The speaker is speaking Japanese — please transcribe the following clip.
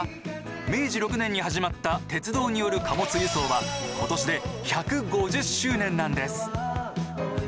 明治６年に始まった鉄道による貨物輸送は今年で１５０周年なんです。